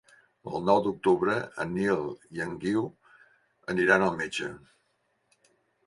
El nou d'octubre en Nil i en Guiu aniran al metge.